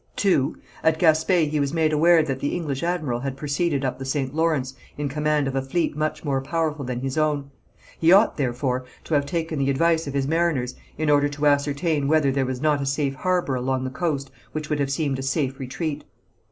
(2.) At Gaspé he was made aware that the English admiral had proceeded up the St. Lawrence in command of a fleet much more powerful than his own. He ought, therefore, to have taken the advice of his mariners in order to ascertain whether there was not a safe harbour along the coast which would have seemed a safe retreat.